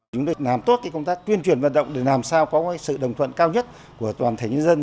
chúng tôi làm tốt công tác tuyên truyền vận động để làm sao có sự đồng thuận cao nhất của toàn thể nhân dân